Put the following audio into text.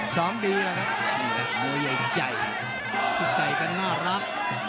สองดีละครับหัวใหญ่ใจที่ใส่ก็น่ารัก